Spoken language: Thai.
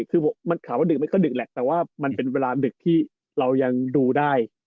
คือมันถามว่าดึกมันก็ดึกแหละแต่ว่ามันเป็นเวลาดึกที่เรายังดูได้